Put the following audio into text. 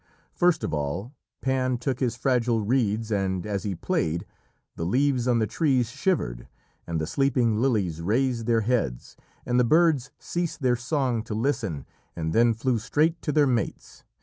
First of all Pan took his fragile reeds, and as he played, the leaves on the trees shivered, and the sleeping lilies raised their heads, and the birds ceased their song to listen and then flew straight to their mates.